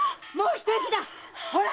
ほら！